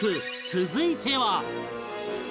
続いては